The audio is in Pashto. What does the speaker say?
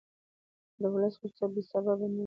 د ولس غوسه بې سببه نه وي